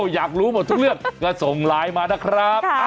อยากรู้หมดทุกเรื่องก็ส่งไลน์มานะครับ